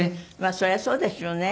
それはそうですよね。